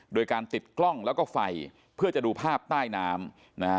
โดยการติดกล้องแล้วก็ไฟเพื่อจะดูภาพใต้น้ำนะฮะ